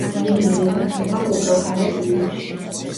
იგი მიეკუთვნება კუპელჰალეს ნიმუშს.